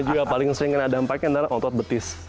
juga paling sering kena dampaknya adalah otot betis